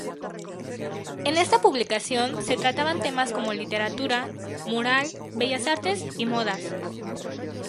En esta publicación se trataban temas como literatura, moral, bellas artes y modas.